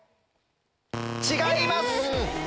違います。